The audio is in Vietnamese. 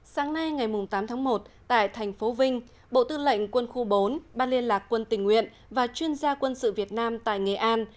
sáng nay ngày tám tháng một tại thành phố vinh bộ tư lệnh quân khu bốn ban liên lạc quân tình nguyện và chuyên gia quân sự việt nam tại nghệ an